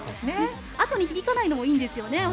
あとに響かないのもいいんですよね。